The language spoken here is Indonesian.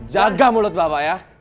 jaga mulut bapak ya